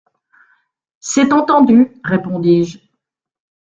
C’est entendu, répondis-je.